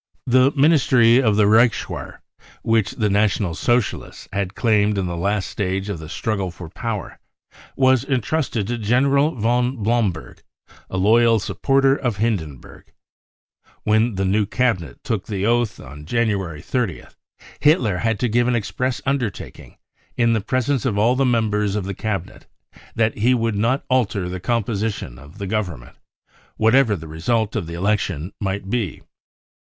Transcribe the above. The Ministry of the . Reichswehr, which the National Socialists had claimed in l 1 the last stage of the struggle for power, was entrusted to General von Blomberg, a loyal supporter of Hindenburg, When the new Cabinet took the oath on January 30th, Hitler had to give an express undertaking, in the presence of all the members of the Cabinet, that he would not alter the composition of the Government, whatever the result of the election might be.